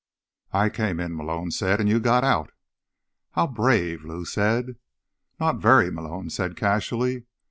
"I came in," Malone said, "and got you out." "How brave!" Lou said. "Not very," Malone said casually.